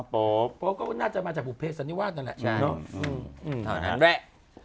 อ๋อโป๊บก็น่าจะมาจากภูเภสฯอันนี้ว่านั่นแหละแถวนั้นแหละ